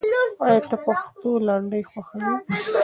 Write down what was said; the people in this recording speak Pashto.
آیا ته د پښتو لنډۍ خوښوې؟